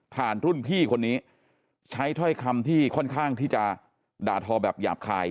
รุ่นพี่คนนี้ใช้ถ้อยคำที่ค่อนข้างที่จะด่าทอแบบหยาบคาย